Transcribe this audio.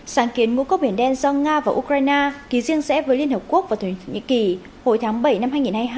sáng kiến ngũ cốc biển đen do nga và ukraine ký riêng rẽ với liên hợp quốc và thổ nhĩ kỳ hồi tháng bảy năm hai nghìn hai mươi hai